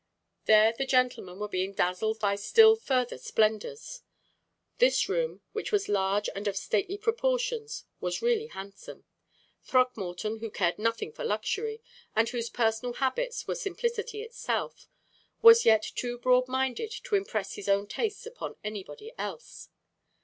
There the gentlemen were being dazzled by still further splendors. This room, which was large and of stately proportions, was really handsome. Throckmorton, who cared nothing for luxury, and whose personal habits were simplicity itself, was yet too broad minded to impress his own tastes upon anybody else.